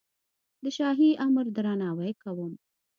د شاهي امر درناوی کوم.